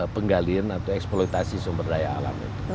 penggalian atau eksploitasi sumber daya alam itu